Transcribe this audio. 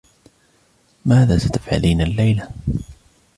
ماذا ستفعلين الليلة ؟